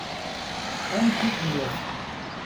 Amek i telliḍ?